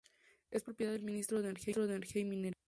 Es propiedad del Ministerio de Energía y Minería.